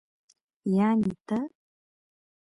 يعنې ته.